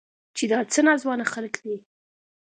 چې دا څه ناځوانه خلق دي.